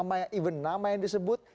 even nama yang disebut